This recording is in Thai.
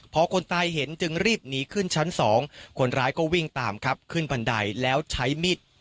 พอคนตายเห็นจึงรีบหนีขึ้นชั้น๒คนร้ายก็วิ่งตามครับขึ้นบันไดแล้วใช้มีด